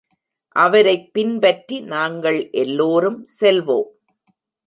அவரைப் பின்பற்றி நாங்கள் எல்லோரும் செல்வோம்.